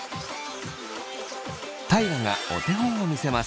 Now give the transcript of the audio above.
大我がお手本を見せます。